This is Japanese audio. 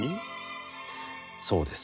「そうです。